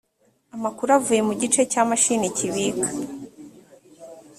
amakuru avuye mu gice cy imashini kibika